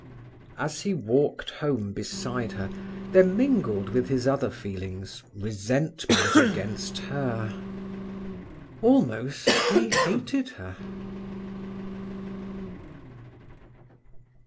As he walked home beside her there mingled with his other feelings resentment against her. Almost he hated her.